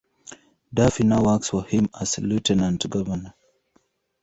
Duffy now works for him as lieutenant governor.